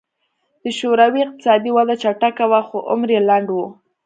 د شوروي اقتصادي وده چټکه وه خو عمر یې لنډ و